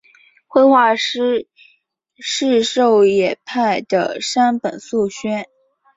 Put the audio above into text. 绘画师事狩野派的山本素轩。